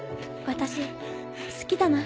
私好きだな。